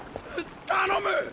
頼む！